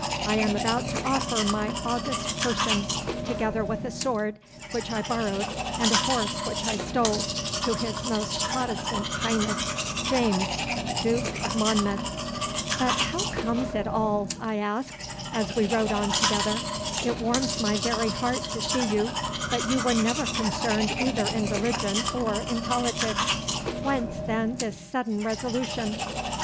I am about to offer my august person, together with a sword which I borrowed and a horse which I stole, to his most Protestant highness, James, Duke of Monmouth.' 'But how comes it all?' I asked, as we rode on together. 'It warms my very heart to see you, but you were never concerned either in religion or in politics. Whence, then, this sudden resolution?